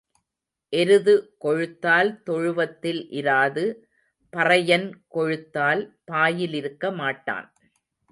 எருது கொழுத்தால் தொழுவத்தில் இராது பறையன் கொழுத்தால் பாயில் இருக்க மாட்டான்.